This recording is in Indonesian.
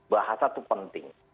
bahasa itu penting